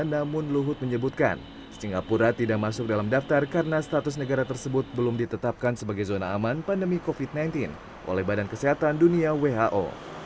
namun luhut menyebutkan singapura tidak masuk dalam daftar karena status negara tersebut belum ditetapkan sebagai zona aman pandemi covid sembilan belas oleh badan kesehatan dunia who